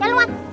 jalan lu wak